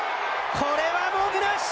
これは文句なし！